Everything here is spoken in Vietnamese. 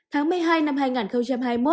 tháng một mươi hai năm hai nghìn hai mươi